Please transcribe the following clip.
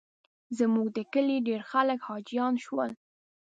زموږ د کلي ډېر خلک حاجیان شول.